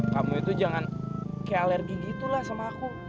kamu itu jangan kayak alergi gitu lah sama aku